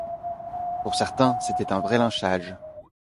Pour certains, c'était un vrai lynchage.